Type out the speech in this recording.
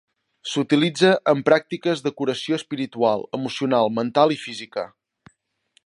S'utilitza en pràctiques de curació espiritual, emocional, mental i física.